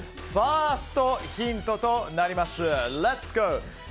ファーストヒントとなります。